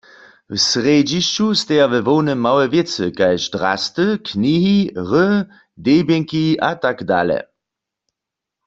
W srjedźišću steja we hłownym małe wěcy kaž drasty, knihi, hry, debjenki atd.